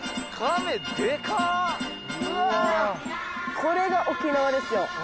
これが沖縄ですよ。